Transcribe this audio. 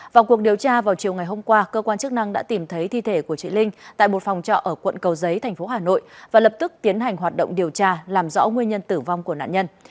vào cuộc điều tra vào chiều ngày hôm qua cơ quan chức năng đã tìm thấy thi thể của chị linh tại một phòng trọ ở quận cầu giấy thành phố hà nội và lập tức tiến hành hoạt động điều tra làm rõ nguyên nhân tử vong của nạn nhân